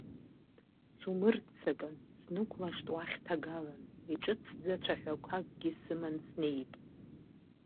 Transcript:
Сумырццакын, снықәлашт уахь ҭагалан, иҿыцӡа цәаҳәақәакгьы сыман снеип.